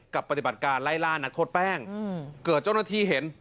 ปฏิบัติการไล่ล่านักโทษแป้งเกิดเจ้าหน้าที่เห็น